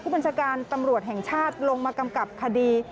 บัญชาการตำรวจแห่งชาติลงมากำกับคดี